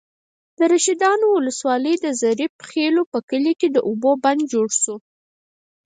د رشيدانو ولسوالۍ، د ظریف خېلو په کلي کې د اوبو بند جوړ شو.